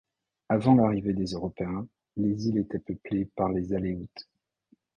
Avant l'arrivée des Européens, les îles étaient peuplées par les Aléoutes.